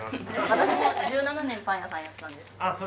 私も１７年パン屋さんやってたんです。